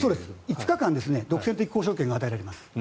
５日間独占的交渉権が与えられます。